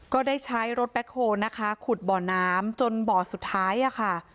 ก็ได้ใช้รถแบ็คโฮลนะคะขุดบ่อน้ำจนบ่อสุดท้ายค่ะ